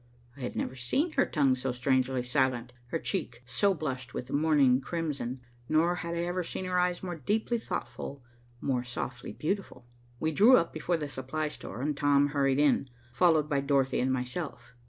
I had never seen her tongue so strangely silent, her cheek so blushed with morning crimson, nor had I ever seen her eyes more deeply thoughtful, more softly beautiful. We drew up before the supply store and Tom hurried in, followed by Dorothy and myself.